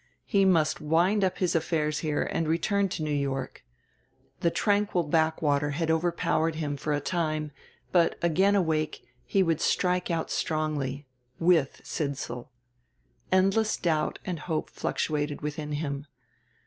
He must wind up his affairs here and return to New York. The tranquil backwater had overpowered him for a time; but, again awake, he would strike out strongly... with Sidsall. Endless doubt and hope fluctuated within him.